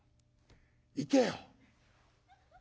行けよ」。